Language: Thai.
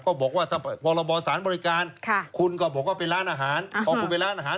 บอกว่าถ้าพรบสารบริการคุณก็บอกว่าเป็นร้านอาหารพอคุณไปร้านอาหาร